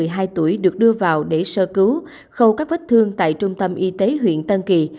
một mươi hai tuổi được đưa vào để sơ cứu khâu các vết thương tại trung tâm y tế huyện tân kỳ